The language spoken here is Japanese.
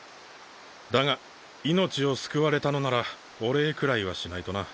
だが命を救われたのならお礼くらいはしないとな。